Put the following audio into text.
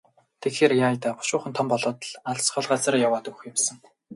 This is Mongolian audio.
Тэгэхээр яая даа, бушуухан том болоод л алс хол газар яваад өгөх юм сан.